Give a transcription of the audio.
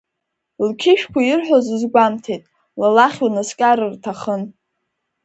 Лқьышәқәа ирҳәоз узгәамҭеит, ла лахь унаскьар рҭахын!